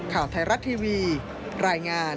ข่าวไทยรัฐทีวีรายงาน